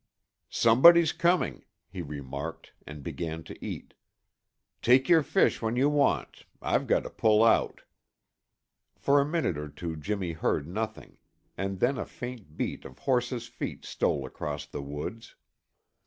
"Somebody's coming," he remarked and began to eat. "Take your fish when you want. I've got to pull out." For a minute or two Jimmy heard nothing, and then a faint beat of horse's feet stole across the woods.